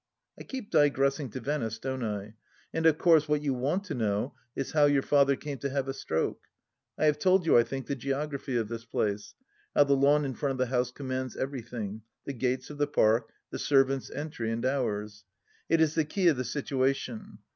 I keep digressing to Venice, don't I ? and of course what you want to know is how your father came to have a stroke. I have told you, I think, the geography of this place : how the lawn in front of the house commands everything — the gates of the Park, the servants' entry and ours. It is the key of the situation.